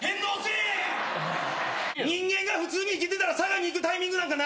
人間が普通に生きてたら佐賀に行くタイミングなんかない！